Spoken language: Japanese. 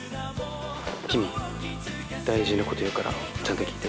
キミ大事なこと言うからちゃんと聞いて。